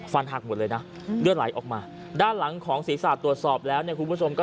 หักหมดเลยนะเลือดไหลออกมาด้านหลังของศีรษะตรวจสอบแล้วเนี่ยคุณผู้ชมก็